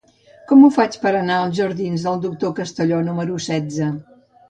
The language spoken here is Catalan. Com ho faig per anar als jardins del Doctor Castelló número setze?